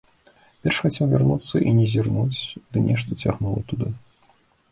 Перш хацеў вярнуцца і не зірнуць, ды нешта цягнула туды.